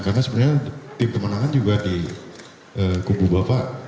karena sebenarnya tim pemenangan juga di kubu bapak